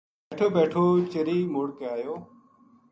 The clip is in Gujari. بیٹھو بیٹھو چرئی مڑ کے ایو